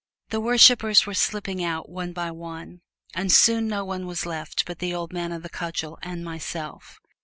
The worshipers were slipping out, one by one, and soon no one was left but the old man of the cudgel and myself.